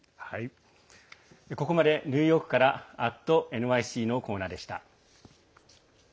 ここまでニューヨークから「＠ｎｙｃ」のコーナーでした。